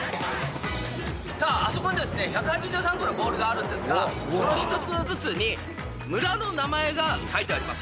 さああそこにですね１８３個のボールがあるんですがその１つずつに村の名前が書いてあります。